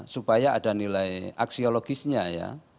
supaya ada nilai aksiologisnya ya